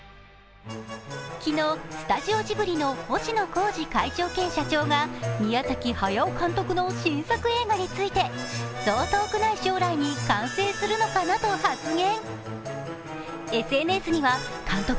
昨日、スタジオジブリの星野康二会長兼社長が宮崎駿監督の新作映画について、そう遠くない将来に完成するのかなと発言。